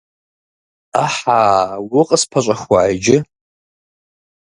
Ӏэхьа, укъыспэщӀэхуа иджы!